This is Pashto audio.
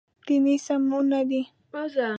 دیني سمونه دی.